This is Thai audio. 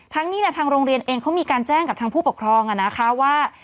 นี้ทางโรงเรียนเองเขามีการแจ้งกับทางผู้ปกครองนะคะว่า